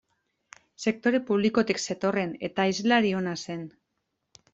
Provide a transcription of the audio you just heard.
Sektore publikotik zetorren eta hizlari ona zen.